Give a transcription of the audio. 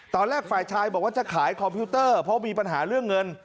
ฝ่ายชายบอกว่าจะขายคอมพิวเตอร์เพราะมีปัญหาเรื่องเงิน